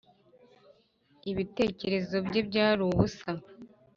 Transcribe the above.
ibitekerezo bye byari ubusa,